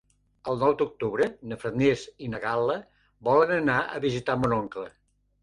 El nou d'octubre na Farners i na Gal·la volen anar a visitar mon oncle.